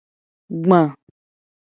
Gba.